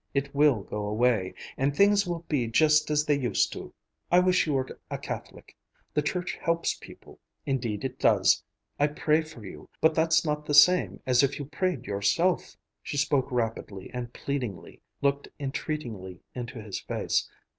It will go away, and things will be just as they used to. I wish you were a Catholic. The Church helps people, indeed it does. I pray for you, but that's not the same as if you prayed yourself." She spoke rapidly and pleadingly, looked entreatingly into his face.